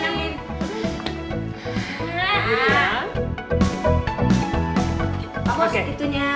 ayo pelan pelan berdiri